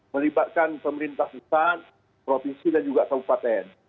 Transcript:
melibatkan pemerintah pusat provinsi dan juga kabupaten